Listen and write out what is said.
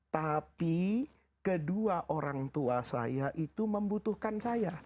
tapi kedua orang tua saya itu membutuhkan saya